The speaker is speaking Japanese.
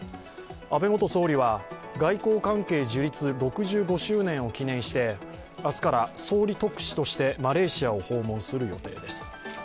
安倍元総理は外交関係樹立６５周年を記念して明日から総理特使としてマレーシアを訪問する予定です。